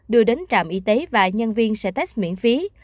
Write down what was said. đưa đến trạm y tế và nhân viên sở test miễn phí